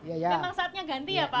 memang saatnya ganti ya pak